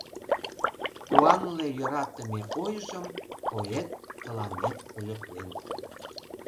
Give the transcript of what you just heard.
Куанле йӧратыме ойжым Поэт тыланет пӧлеклен.